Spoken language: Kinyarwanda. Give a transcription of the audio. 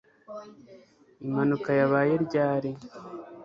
Impanuka yabaye ryari